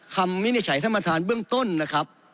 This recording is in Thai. วินิจฉัยท่านประธานเบื้องต้นนะครับ